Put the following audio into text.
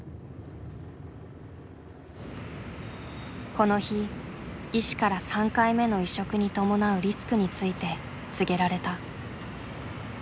この日医師から３回目の移植に伴うリスクについて告げられた。